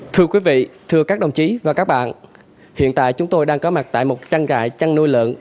thưa quý vị thưa các đồng chí và các bạn hiện tại chúng tôi đang có mặt tại một trăn gại trăn nuôi lợn